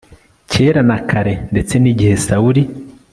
kera na kare ndetse n igihe Sawuli